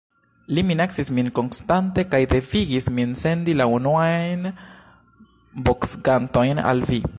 Li minacis min konstante kaj devigis min sendi la unuajn boksgantojn al vi.